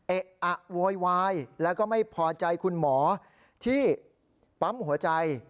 เอ๊ะอะโวยวายแล้วก็ไม่พอใจคุณหมอที่ปั๊มหัวใจ